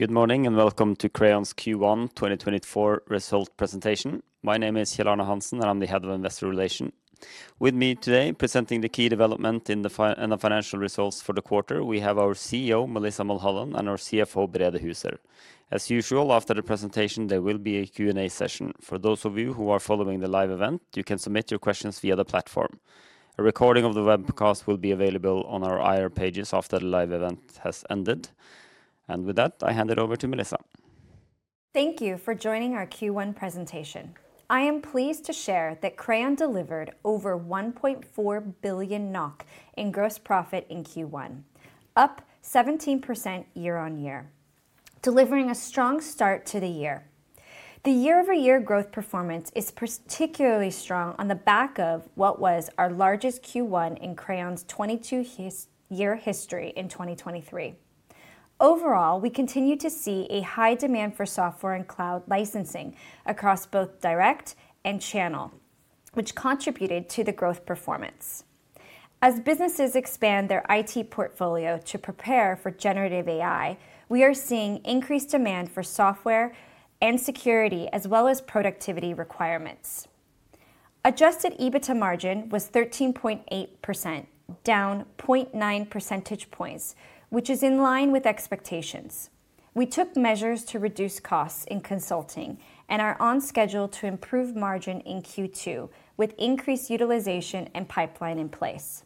Good morning and welcome to Crayon's Q1 2024 Result Presentation. My name is Kjell Arne Hansen, and I'm the head of investor relations. With me today presenting the key development in the financial results for the quarter, we have our CEO Melissa Mulholland and our CFO Brede Huser. As usual, after the presentation there will be a Q&A session. For those of you who are following the live event, you can submit your questions via the platform. A recording of the webcast will be available on our IR pages after the live event has ended. With that, I hand it over to Melissa. Thank you for joining our Q1 presentation. I am pleased to share that Crayon delivered over 1.4 billion NOK in gross profit in Q1, up 17% year-on-year, delivering a strong start to the year. The year-over-year growth performance is particularly strong on the back of what was our largest Q1 in Crayon's 22-year history in 2023. Overall, we continue to see a high demand for software and cloud licensing across both direct and channel, which contributed to the growth performance. As businesses expand their IT portfolio to prepare for Generative AI, we are seeing increased demand for software and security as well as productivity requirements. Adjusted EBITDA margin was 13.8%, down 0.9 percentage points, which is in line with expectations. We took measures to reduce costs in consulting and are on schedule to improve margin in Q2 with increased utilization and pipeline in place.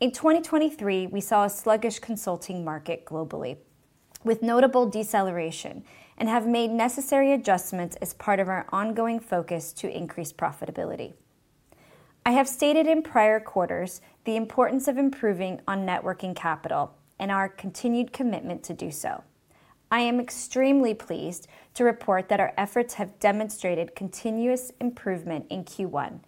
In 2023, we saw a sluggish consulting market globally, with notable deceleration, and have made necessary adjustments as part of our ongoing focus to increase profitability. I have stated in prior quarters the importance of improving on working capital and our continued commitment to do so. I am extremely pleased to report that our efforts have demonstrated continuous improvement in Q1,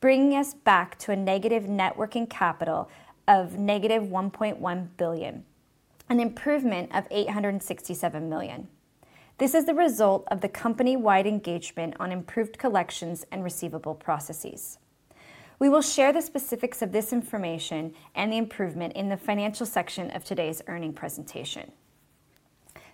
bringing us back to a negative working capital of -1.1 billion, an improvement of 867 million. This is the result of the company-wide engagement on improved collections and receivable processes. We will share the specifics of this information and the improvement in the financial section of today's earnings presentation.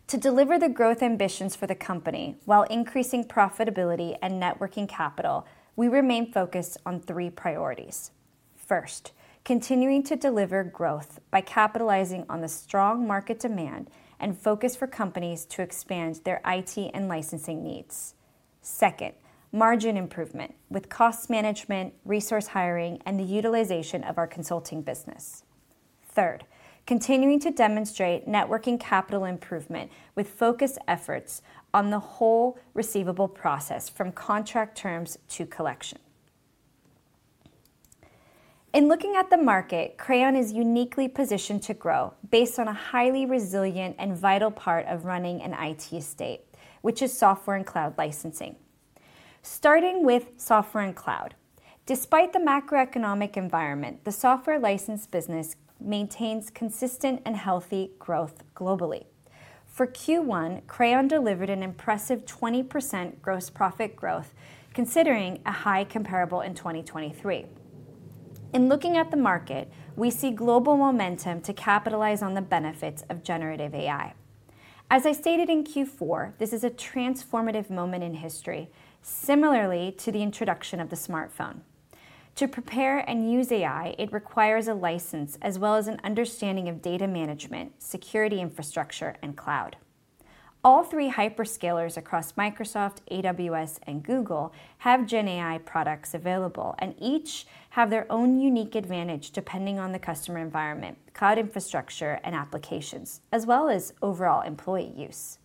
To deliver the growth ambitions for the company while increasing profitability and working capital, we remain focused on three priorities. First, continuing to deliver growth by capitalizing on the strong market demand and focus for companies to expand their IT and licensing needs. Second, margin improvement with cost management, resource hiring, and the utilization of our consulting business. Third, continuing to demonstrate networking capital improvement with focused efforts on the whole receivable process from contract terms to collection. In looking at the market, Crayon is uniquely positioned to grow based on a highly resilient and vital part of running an IT estate, which is software and cloud licensing. Starting with software and cloud, despite the macroeconomic environment, the software license business maintains consistent and healthy growth globally. For Q1, Crayon delivered an impressive 20% gross profit growth, considering a high comparable in 2023. In looking at the market, we see global momentum to capitalize on the benefits of generative AI. As I stated in Q4, this is a transformative moment in history, similarly to the introduction of the smartphone. To prepare and use AI, it requires a license as well as an understanding of data management, security infrastructure, and cloud. All three hyperscalers across Microsoft, AWS, and Google have GenAI products available, and each have their own unique advantage depending on the customer environment, cloud infrastructure, and applications, as well as overall employee use.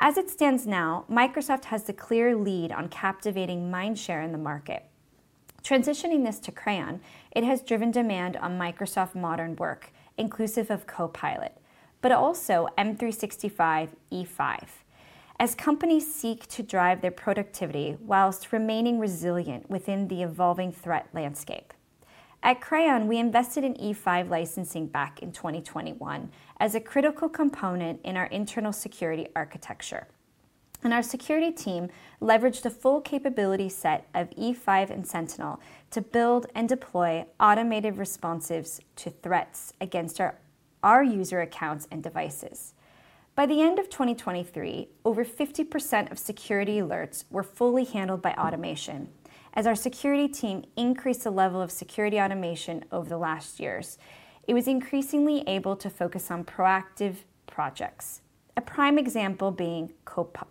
As it stands now, Microsoft has the clear lead on captivating mindshare in the market. Transitioning this to Crayon, it has driven demand on Microsoft Modern Work, inclusive of Copilot, but also M365 E5, as companies seek to drive their productivity whilst remaining resilient within the evolving threat landscape. At Crayon, we invested in E5 licensing back in 2021 as a critical component in our internal security architecture, and our security team leveraged the full capability set of E5 and Sentinel to build and deploy automated responses to threats against our user accounts and devices. By the end of 2023, over 50% of security alerts were fully handled by automation. As our security team increased the level of security automation over the last years, it was increasingly able to focus on proactive projects, a prime example being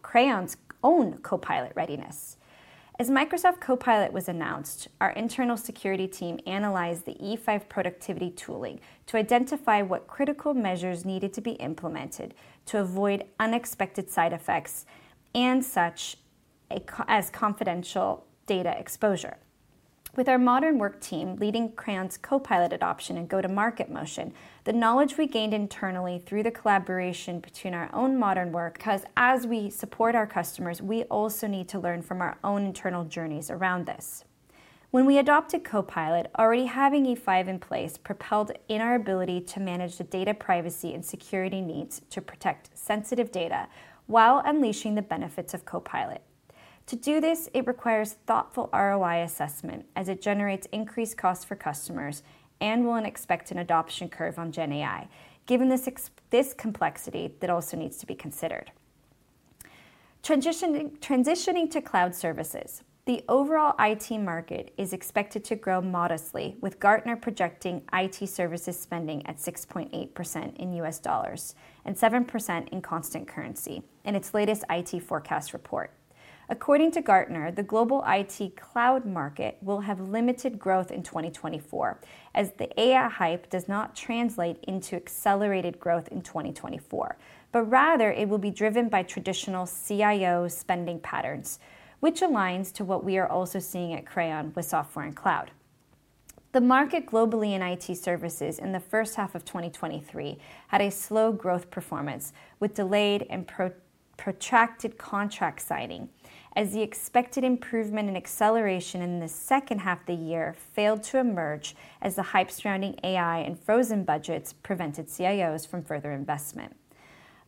Crayon's own Copilot readiness. As Microsoft Copilot was announced, our internal security team analyzed the E5 productivity tooling to identify what critical measures needed to be implemented to avoid unexpected side effects and such as confidential data exposure. With our Modern Work team leading Crayon's Copilot adoption and go-to-market motion, the knowledge we gained internally through the collaboration between our own Modern Work. Because as we support our customers, we also need to learn from our own internal journeys around this. When we adopted Copilot, already having E5 in place propelled in our ability to manage the data privacy and security needs to protect sensitive data while unleashing the benefits of Copilot. To do this, it requires thoughtful ROI assessment as it generates increased costs for customers and will expect an adoption curve on GenAI, given this complexity that also needs to be considered. Transitioning to cloud services, the overall IT market is expected to grow modestly, with Gartner projecting IT services spending at 6.8% in US dollars and 7% in constant currency in its latest IT forecast report. According to Gartner, the global IT cloud market will have limited growth in 2024 as the AI hype does not translate into accelerated growth in 2024, but rather it will be driven by traditional CIO spending patterns, which aligns to what we are also seeing at Crayon with software and cloud. The market globally in IT services in the first half of 2023 had a slow growth performance with delayed and protracted contract signing as the expected improvement and acceleration in the second half of the year failed to emerge as the hype surrounding AI and frozen budgets prevented CIOs from further investment.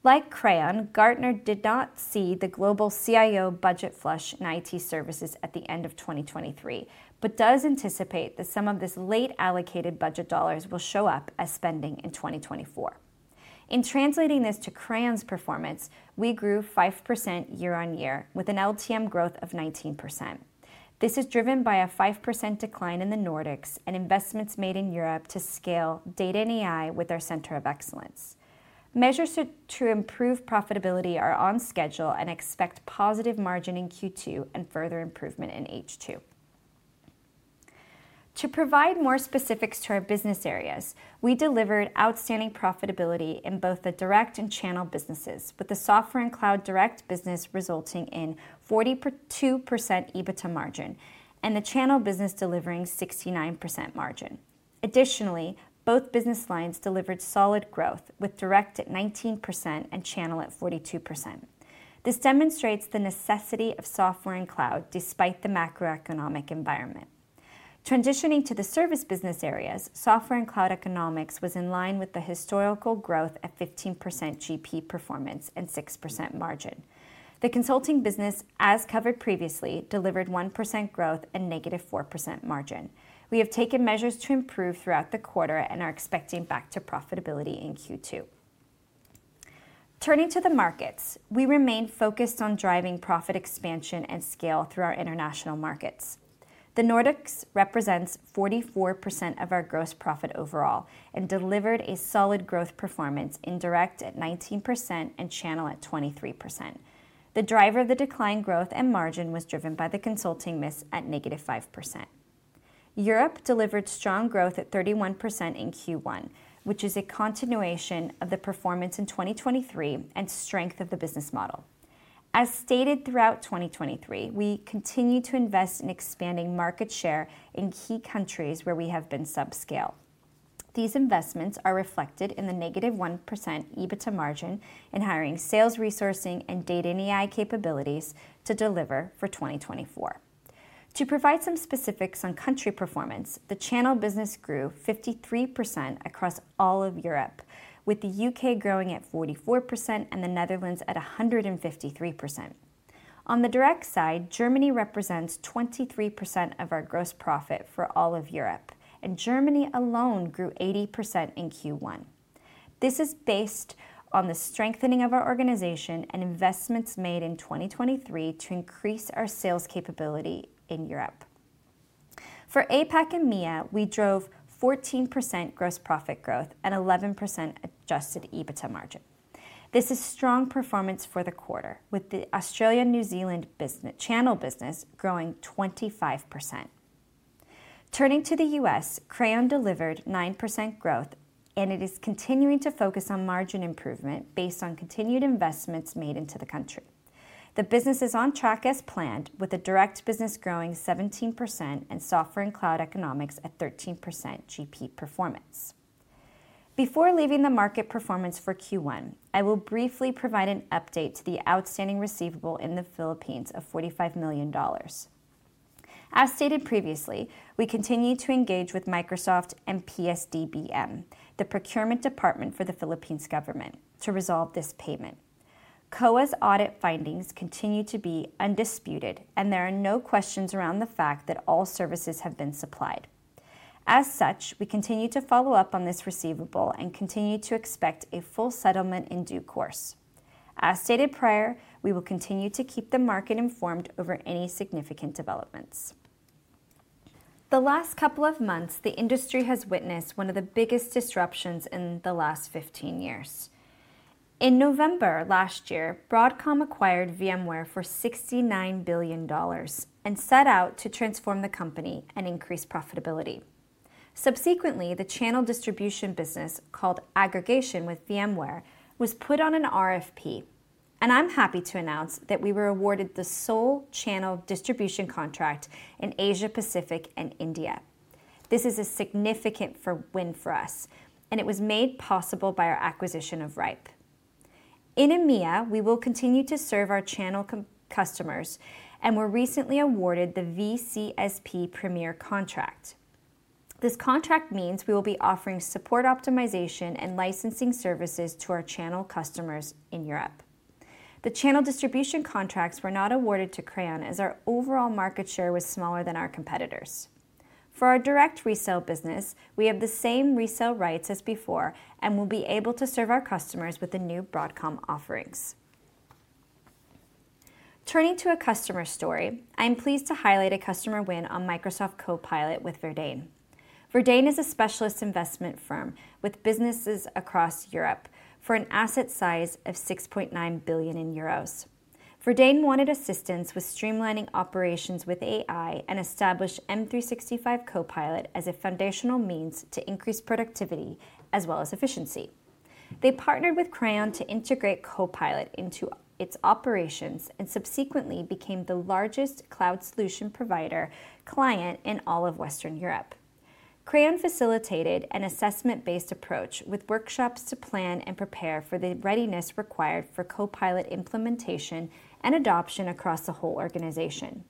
Like Crayon, Gartner did not see the global CIO budget flush in IT services at the end of 2023, but does anticipate that some of this late allocated budget dollars will show up as spending in 2024. In translating this to Crayon's performance, we grew 5% year-over-year with an LTM growth of 19%. This is driven by a 5% decline in the Nordics and investments made in Europe to scale data and AI with our center of excellence. Measures to improve profitability are on schedule and expect positive margin in Q2 and further improvement in H2. To provide more specifics to our business areas, we delivered outstanding profitability in both the direct and channel businesses, with the software and cloud direct business resulting in 42% EBITDA margin and the channel business delivering 69% margin. Additionally, both business lines delivered solid growth with direct at 19% and channel at 42%. This demonstrates the necessity of software and cloud despite the macroeconomic environment. Transitioning to the service business areas, software and cloud economics was in line with the historical growth at 15% GP performance and 6% margin. The consulting business, as covered previously, delivered 1% growth and -4% margin. We have taken measures to improve throughout the quarter and are expecting back to profitability in Q2. Turning to the markets, we remain focused on driving profit expansion and scale through our international markets. The Nordics represents 44% of our gross profit overall and delivered a solid growth performance in direct at 19% and channel at 23%. The driver of the declined growth and margin was driven by the consulting miss at -5%. Europe delivered strong growth at 31% in Q1, which is a continuation of the performance in 2023 and strength of the business model. As stated throughout 2023, we continue to invest in expanding market share in key countries where we have been subscale. These investments are reflected in the -1% EBITDA margin in hiring sales resourcing and data and AI capabilities to deliver for 2024. To provide some specifics on country performance, the channel business grew 53% across all of Europe, with the UK growing at 44% and the Netherlands at 153%. On the direct side, Germany represents 23% of our gross profit for all of Europe, and Germany alone grew 80% in Q1. This is based on the strengthening of our organization and investments made in 2023 to increase our sales capability in Europe. For APAC and MEA, we drove 14% gross profit growth and 11% Adjusted EBITDA margin. This is strong performance for the quarter, with the Australia and New Zealand channel business growing 25%. Turning to the US, Crayon delivered 9% growth, and it is continuing to focus on margin improvement based on continued investments made into the country. The business is on track as planned, with the direct business growing 17% and software and cloud economics at 13% GP performance. Before leaving the market performance for Q1, I will briefly provide an update to the outstanding receivable in the Philippines of $45 million. As stated previously, we continue to engage with Microsoft and PS-DBM, the procurement department for the Philippines government, to resolve this payment. COA's audit findings continue to be undisputed, and there are no questions around the fact that all services have been supplied. As such, we continue to follow up on this receivable and continue to expect a full settlement in due course. As stated prior, we will continue to keep the market informed over any significant developments. The last couple of months, the industry has witnessed one of the biggest disruptions in the last 15 years. In November last year, Broadcom acquired VMware for $69 billion and set out to transform the company and increase profitability. Subsequently, the channel distribution business called Aggregation with VMware was put on an RFP, and I'm happy to announce that we were awarded the sole channel distribution contract in Asia Pacific, and India. This is a significant win for us, and it was made possible by our acquisition of rhipe. In EMEA, we will continue to serve our channel customers, and were recently awarded the VCSP premier contract. This contract means we will be offering support optimization and licensing services to our channel customers in Europe. The channel distribution contracts were not awarded to Crayon as our overall market share was smaller than our competitors. For our direct resale business, we have the same resale rights as before and will be able to serve our customers with the new Broadcom offerings. Turning to a customer story, I am pleased to highlight a customer win on Microsoft Copilot with Verdane. Verdane is a specialist investment firm with businesses across Europe for an asset size of 6.9 billion euros. Verdane wanted assistance with streamlining operations with AI and established M365 Copilot as a foundational means to increase productivity as well as efficiency. They partnered with Crayon to integrate Copilot into its operations and subsequently became the largest cloud solution provider client in all of Western Europe. Crayon facilitated an assessment-based approach with workshops to plan and prepare for the readiness required for Copilot implementation and adoption across the whole organization.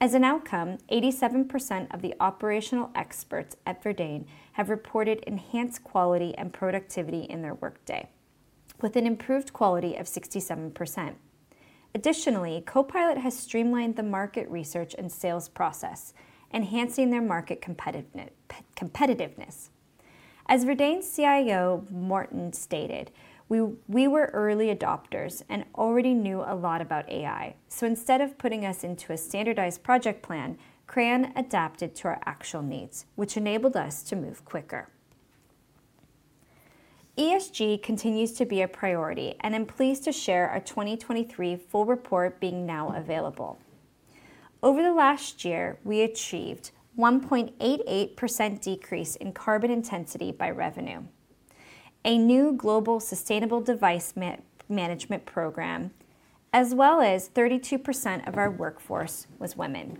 As an outcome, 87% of the operational experts at Verdane have reported enhanced quality and productivity in their workday, with an improved quality of 67%. Additionally, Copilot has streamlined the market research and sales process, enhancing their market competitiveness. As Verdane's CIO, Morten, stated, "We were early adopters and already knew a lot about AI, so instead of putting us into a standardized project plan, Crayon adapted to our actual needs, which enabled us to move quicker." ESG continues to be a priority, and I'm pleased to share our 2023 full report being now available. Over the last year, we achieved 1.88% decrease in carbon intensity by revenue, a new global sustainable device management program, as well as 32% of our workforce was women.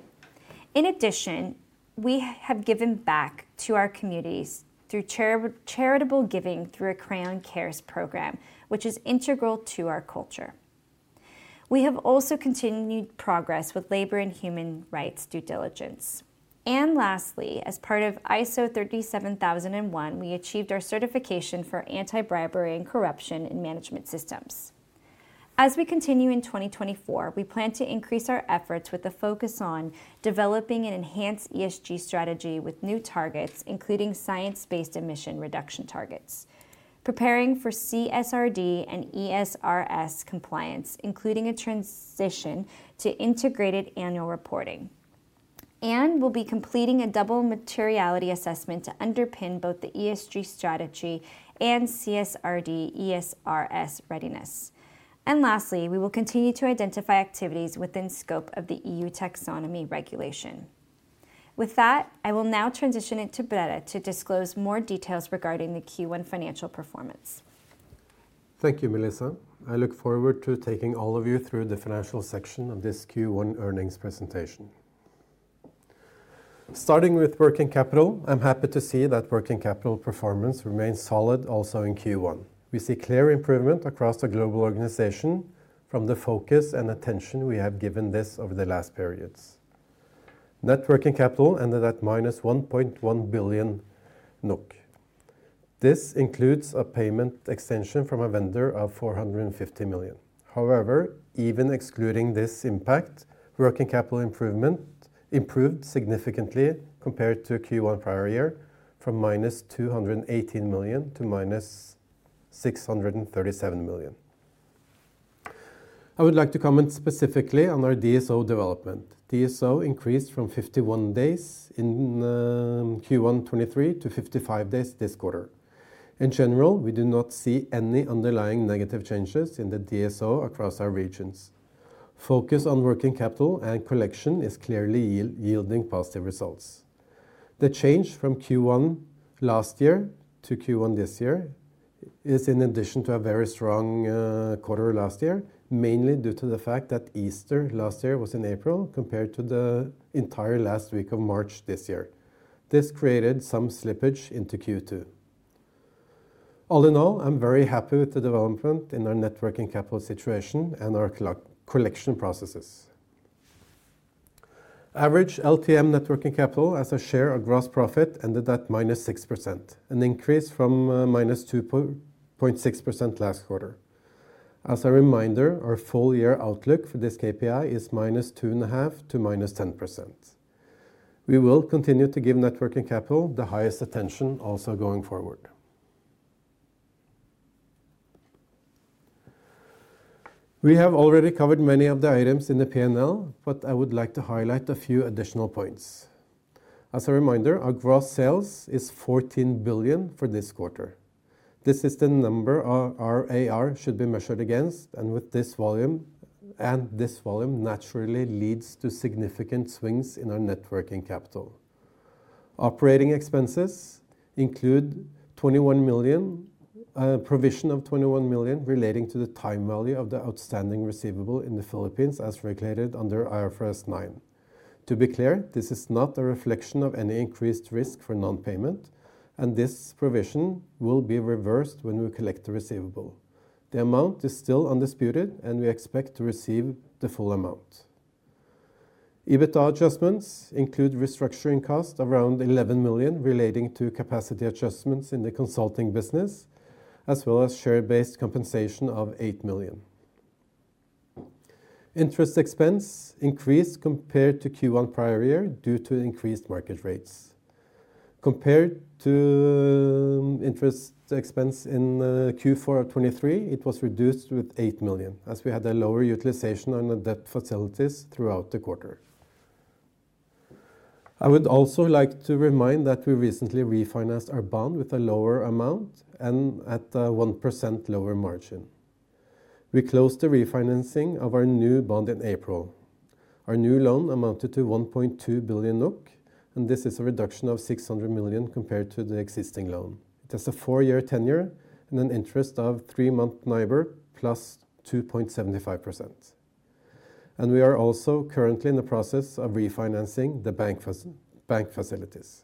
In addition, we have given back to our communities through charitable giving through a Crayon Cares program, which is integral to our culture. We have also continued progress with labor and human rights due diligence. And lastly, as part of ISO 37001, we achieved our certification for anti-bribery and corruption in management systems. As we continue in 2024, we plan to increase our efforts with a focus on developing an enhanced ESG strategy with new targets, including science-based emission reduction targets, preparing for CSRD and ESRS compliance, including a transition to integrated annual reporting. We'll be completing a double materiality assessment to underpin both the ESG strategy and CSRD/ESRS readiness. Lastly, we will continue to identify activities within scope of the EU taxonomy regulation. With that, I will now transition it to Brede to disclose more details regarding the Q1 financial performance. Thank you, Melissa. I look forward to taking all of you through the financial section of this Q1 earnings presentation. Starting with working capital, I'm happy to see that working capital performance remains solid also in Q1. We see clear improvement across the global organization from the focus and attention we have given this over the last periods. Net working capital ended at -1.1 billion NOK. This includes a payment extension from a vendor of 450 million. However, even excluding this impact, working capital improved significantly compared to Q1 prior year from -218 million to -637 million. I would like to comment specifically on our DSO development. DSO increased from 51 days in Q1 2023 to 55 days this quarter. In general, we do not see any underlying negative changes in the DSO across our regions. Focus on working capital and collection is clearly yielding positive results. The change from Q1 last year to Q1 this year is in addition to a very strong quarter last year, mainly due to the fact that Easter last year was in April compared to the entire last week of March this year. This created some slippage into Q2. All in all, I'm very happy with the development in our working capital situation and our collection processes. Average LTM working capital as a share of gross profit ended at -6%, an increase from -2.6% last quarter. As a reminder, our full-year outlook for this KPI is -2.5% to -10%. We will continue to give working capital the highest attention also going forward. We have already covered many of the items in the P&L, but I would like to highlight a few additional points. As a reminder, our gross sales is 14 billion for this quarter. This is the number our AR should be measured against, and with this volume, and this volume naturally leads to significant swings in our working capital. Operating expenses include 21 million, provision of 21 million relating to the time value of the outstanding receivable in the Philippines as regulated under IFRS 9. To be clear, this is not a reflection of any increased risk for non-payment, and this provision will be reversed when we collect the receivable. The amount is still undisputed, and we expect to receive the full amount. EBITDA adjustments include restructuring costs around 11 million relating to capacity adjustments in the consulting business, as well as share-based compensation of 8 million. Interest expense increased compared to Q1 prior year due to increased market rates. Compared to interest expense in Q4 of 2023, it was reduced with 8 million as we had a lower utilization on our debt facilities throughout the quarter. I would also like to remind that we recently refinanced our bond with a lower amount and at a 1% lower margin. We closed the refinancing of our new bond in April. Our new loan amounted to 1.2 billion NOK, and this is a reduction of 600 million compared to the existing loan. It has a four-year tenure and an interest of three-month NIBOR plus 2.75%. We are also currently in the process of refinancing the bank facilities.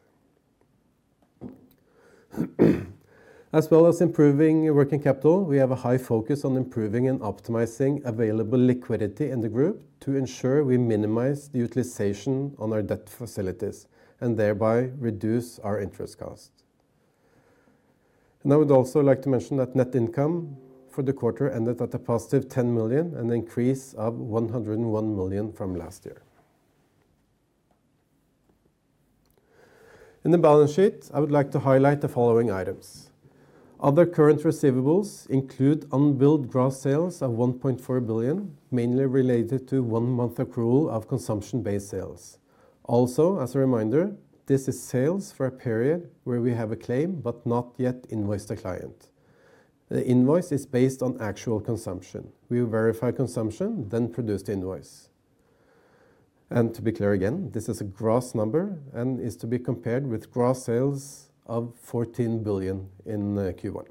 As well as improving working capital, we have a high focus on improving and optimizing available liquidity in the group to ensure we minimize the utilization on our debt facilities and thereby reduce our interest costs. I would also like to mention that net income for the quarter ended at a positive 10 million and an increase of 101 million from last year. In the balance sheet, I would like to highlight the following items. Other current receivables include unbilled gross sales of 1.4 billion, mainly related to one-month accrual of consumption-based sales. Also, as a reminder, this is sales for a period where we have a claim but not yet invoiced a client. The invoice is based on actual consumption. We verify consumption, then produce the invoice. And to be clear again, this is a gross number and is to be compared with gross sales of 14 billion in Q1.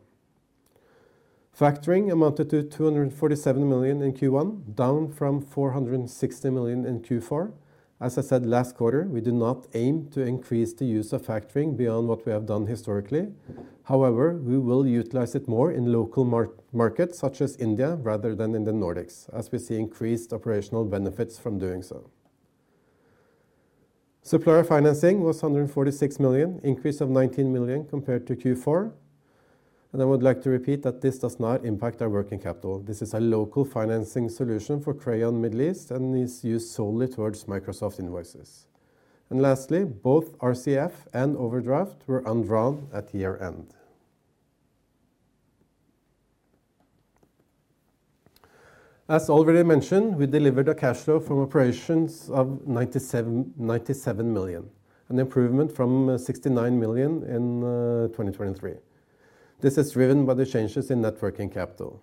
Factoring amounted to 247 million in Q1, down from 460 million in Q4. As I said last quarter, we do not aim to increase the use of factoring beyond what we have done historically. However, we will utilize it more in local markets such as India rather than in the Nordics as we see increased operational benefits from doing so. Supplier financing was 146 million, increase of 19 million compared to Q4. I would like to repeat that this does not impact our working capital. This is a local financing solution for Crayon Middle East and is used solely towards Microsoft invoices. Lastly, both RCF and overdraft were undrawn at year-end. As already mentioned, we delivered a cash flow from operations of 97 million, an improvement from 69 million in 2023. This is driven by the changes in working capital.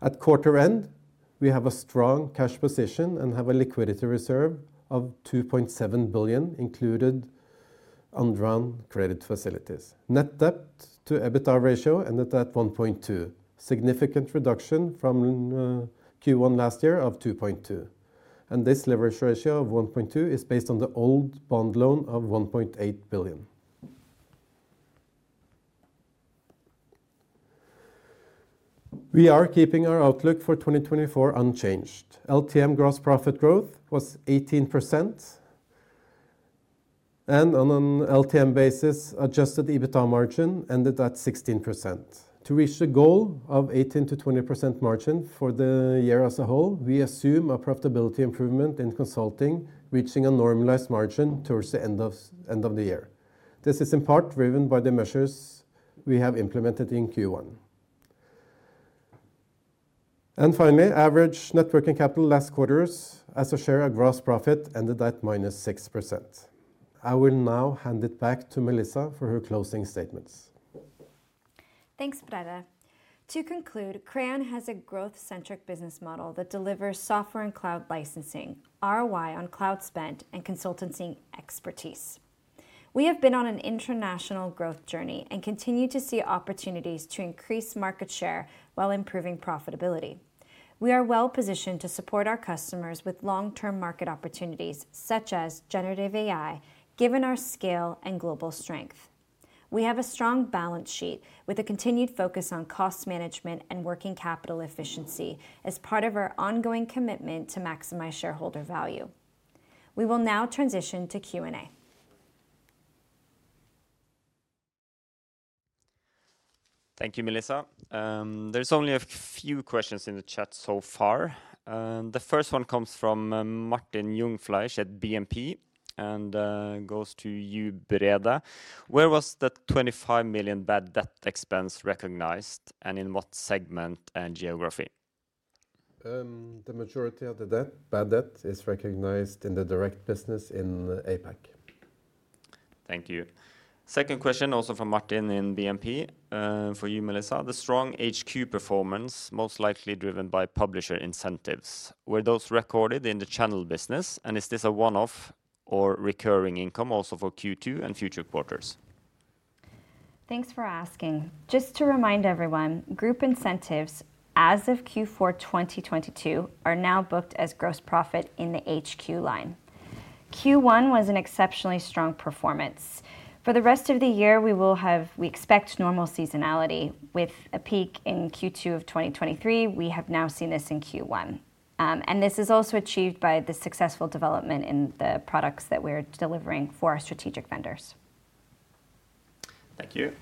At quarter-end, we have a strong cash position and have a liquidity reserve of 2.7 billion including undrawn credit facilities. Net debt to EBITDA ratio ended at 1.2, significant reduction from Q1 last year of 2.2. This leverage ratio of 1.2 is based on the old bond loan of 1.8 billion. We are keeping our outlook for 2024 unchanged. LTM gross profit growth was 18%, and on an LTM basis, adjusted EBITDA margin ended at 16%. To reach the goal of 18%-20% margin for the year as a whole, we assume a profitability improvement in consulting reaching a normalized margin towards the end of the year. This is in part driven by the measures we have implemented in Q1. Finally, average net working capital last quarters as a share of gross profit ended at -6%. I will now hand it back to Melissa for her closing statements. Thanks, Brede. To conclude, Crayon has a growth-centric business model that delivers software and cloud licensing, ROI on cloud spent, and consulting expertise. We have been on an international growth journey and continue to see opportunities to increase market share while improving profitability. We are well-positioned to support our customers with long-term market opportunities such as generative AI, given our scale and global strength. We have a strong balance sheet with a continued focus on cost management and working capital efficiency as part of our ongoing commitment to maximize shareholder value. We will now transition to Q&A. Thank you, Melissa. There's only a few questions in the chat so far. The first one comes from Martin Jungfleisch at BNP and goes to you, Brede. Where was the 25 million bad debt expense recognized, and in what segment and geography? The majority of the bad debt is recognized in the direct business in APAC. Thank you. Second question, also from Martin in BNP. For you, Melissa. The strong HQ performance, most likely driven by publisher incentives. Were those recorded in the channel business, and is this a one-off or recurring income also for Q2 and future quarters? Thanks for asking. Just to remind everyone, group incentives as of Q4 2022 are now booked as gross profit in the HQ line. Q1 was an exceptionally strong performance. For the rest of the year, we expect normal seasonality. With a peak in Q2 of 2023, we have now seen this in Q1. And this is also achieved by the successful development in the products that we're delivering for our strategic vendors. Thank you.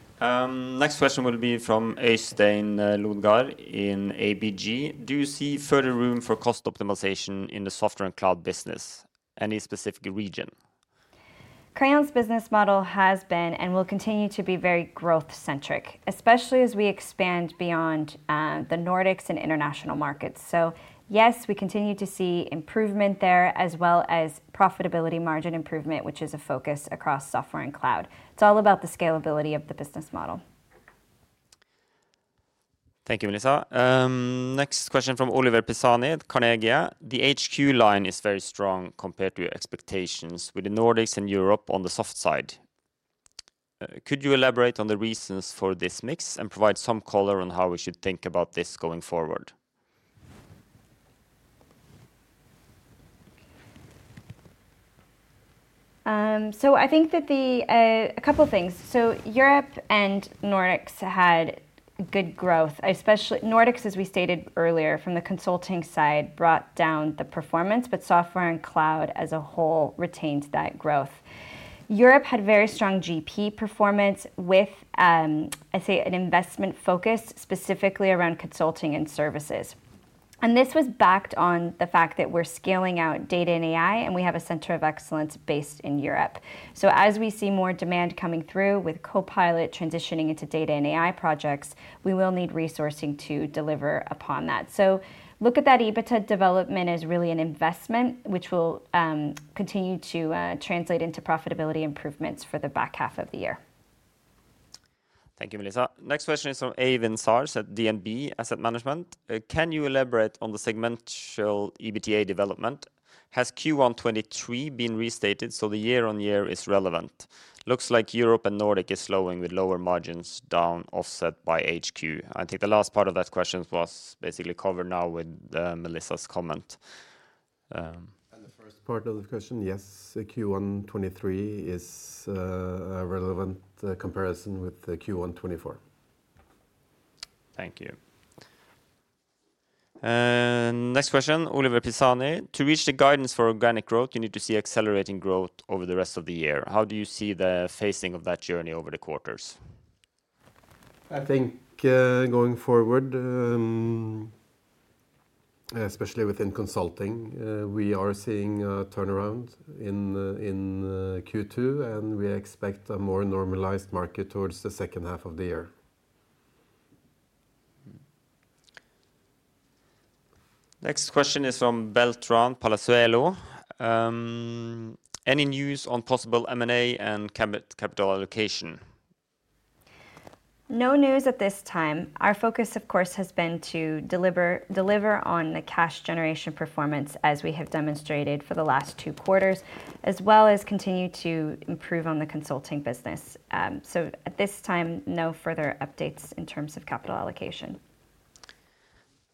Next question will be from Øystein Lodgaard in ABG. Do you see further room for cost optimization in the software and cloud business, any specific region? Crayon's business model has been and will continue to be very growth-centric, especially as we expand beyond the Nordics and international markets. So yes, we continue to see improvement there as well as profitability margin improvement, which is a focus across software and cloud. It's all about the scalability of the business model. Thank you, Melissa. Next question from Oliver Pisani, Carnegie. The HQ line is very strong compared to your expectations with the Nordics and Europe on the soft side. Could you elaborate on the reasons for this mix and provide some color on how we should think about this going forward? So I think that a couple of things. So Europe and Nordics had good growth, especially Nordics, as we stated earlier, from the consulting side brought down the performance, but software and cloud as a whole retained that growth. Europe had very strong GP performance with, I'd say, an investment focus specifically around consulting and services. And this was backed on the fact that we're scaling out data and AI, and we have a center of excellence based in Europe. So as we see more demand coming through with Copilot transitioning into data and AI projects, we will need resourcing to deliver upon that. So look at that EBITDA development as really an investment, which will continue to translate into profitability improvements for the back half of the year. Thank you, Melissa. Next question is from Eivind Sars at DNB Asset Management. Can you elaborate on the segmental EBITDA development? Has Q1 2023 been restated so the year-over-year is relevant? Looks like Europe and Nordic is slowing with lower margins down offset by HQ. I think the last part of that question was basically covered now with Melissa's comment. The first part of the question, yes, Q1 2023 is a relevant comparison with Q1 2024. Thank you. Next question, Oliver Pisani. To reach the guidance for organic growth, you need to see accelerating growth over the rest of the year. How do you see the phasing of that journey over the quarters? I think going forward, especially within consulting, we are seeing a turnaround in Q2, and we expect a more normalized market towards the second half of the year. Next question is from Beltrán Palazuelo. Any news on possible M&A and capital allocation? No news at this time. Our focus, of course, has been to deliver on the cash generation performance as we have demonstrated for the last two quarters, as well as continue to improve on the consulting business. So at this time, no further updates in terms of capital allocation.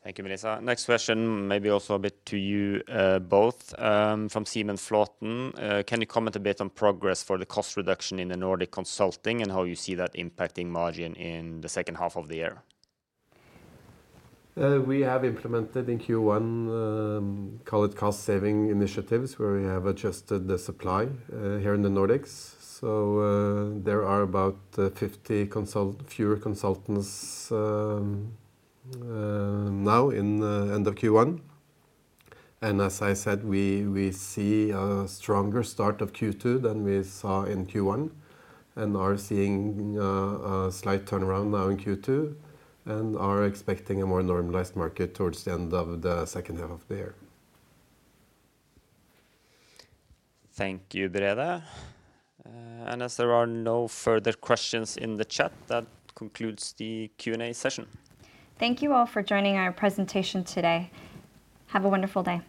Thank you, Melissa. Next question, maybe also a bit to you both. From Simen Fløten, can you comment a bit on progress for the cost reduction in the Nordic consulting and how you see that impacting margin in the second half of the year? We have implemented in Q1, call it cost-saving initiatives where we have adjusted the supply here in the Nordics. So there are about 50 fewer consultants now in the end of Q1. And as I said, we see a stronger start of Q2 than we saw in Q1 and are seeing a slight turnaround now in Q2 and are expecting a more normalized market towards the end of the second half of the year. Thank you, Brede. As there are no further questions in the chat, that concludes the Q&A session. Thank you all for joining our presentation today. Have a wonderful day.